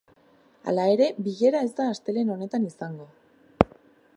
Hala ere, bilera ez da astelehen honetan izango.